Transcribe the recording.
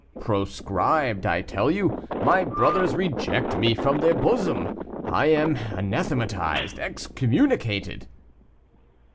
"Proscribed, I tell you. My brothers reject me from their bosom: I am anathematized, excommunicated."